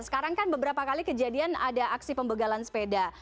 sekarang kan beberapa kali kejadian ada aksi pembegalan sepeda